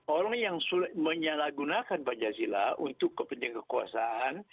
orang yang menyalahgunakan pancasila untuk kepentingan kekuasaan